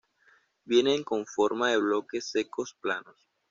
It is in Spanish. Vienen con forma de bloques secos planos.